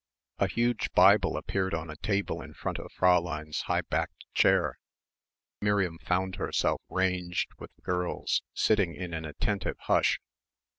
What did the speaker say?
A huge Bible appeared on a table in front of Fräulein's high backed chair. Miriam found herself ranged with the girls, sitting in an attentive hush.